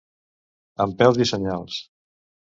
Amb pèls i senyals.